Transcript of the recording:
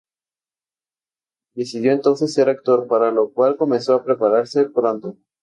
Decidió entonces ser actor, para lo cual comenzó a prepararse pronto.